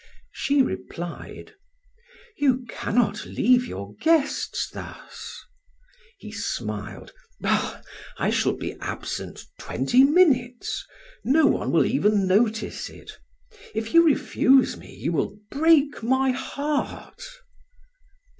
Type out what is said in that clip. She replied: "You cannot leave your guests thus." He smiled: "Bah! I shall be absent twenty minutes. No one will even notice it; if you refuse me, you will break my heart."